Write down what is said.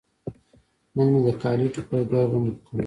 نن مې د کالي ټوکر ګرم کړل.